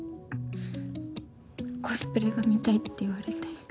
コスプレが見たいって言われて。